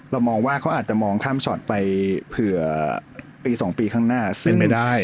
เรามองว่าเขาอาจจะมองข้ามช็อตไปเผื่อปี๒ปีข้างหน้าเซ็นไปได้